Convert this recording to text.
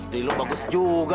ya elok bagus juga